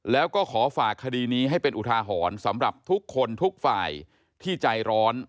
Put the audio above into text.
แล้วก็ขอฝากคดีนี้ให้เป็นอุทาหรณ์สำหรับทุกคนทุกฝ่ายที่ใจร้อน